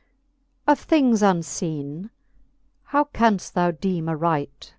Of things unfeene how canft thou deeme aright.